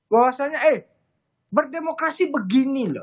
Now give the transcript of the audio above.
bahwasannya eh berdemokrasi begini loh